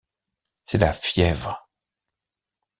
C’est la fièvre.